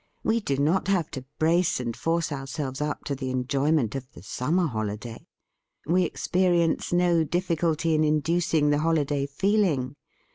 We do not have to brace and force ourselves up to the enjoyment of the summer holiday. We experience no difficulty in inducing the holiday feeling.